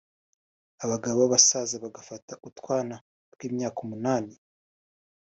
abagabo b’abasaza bagafata utwana tw’imyaka umunani